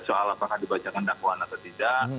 soal apakah dibacakan dakwaan atau tidak